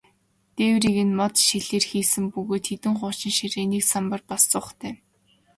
Дээврийг нь мод, шилээр хийсэн бөгөөд хэдэн хуучин ширээ, нэг самбар, бас зуухтай.